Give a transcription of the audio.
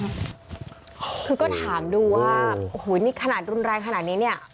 คือก็ถามดูว่าโอ้โหนี่ขนาดรุนแรงขนาดนี้เนี่ย